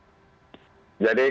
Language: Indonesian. atau akan ada kekacauan di sini